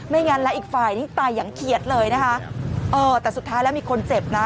งั้นแล้วอีกฝ่ายนี่ตายอย่างเขียดเลยนะคะเออแต่สุดท้ายแล้วมีคนเจ็บนะ